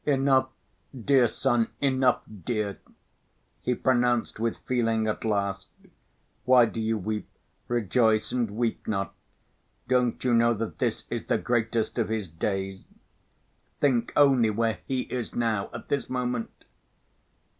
"Enough, dear son, enough, dear," he pronounced with feeling at last. "Why do you weep? Rejoice and weep not. Don't you know that this is the greatest of his days? Think only where he is now, at this moment!"